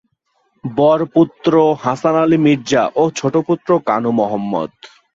বর পুত্র হাসান আলি মির্জা ও ছোট পুত্র কানু মহম্মদ